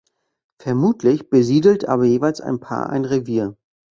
Vermutlich besiedelt aber jeweils ein Paar ein Revier.